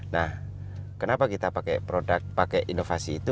nah kenapa kita pakai produk pakai inovasi itu